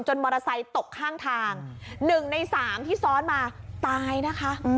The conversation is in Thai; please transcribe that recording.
มอเตอร์ไซค์ตกข้างทาง๑ใน๓ที่ซ้อนมาตายนะคะ